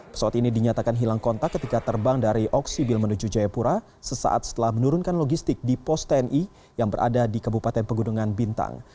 pesawat ini dinyatakan hilang kontak ketika terbang dari oksibil menuju jayapura sesaat setelah menurunkan logistik di pos tni yang berada di kabupaten pegunungan bintang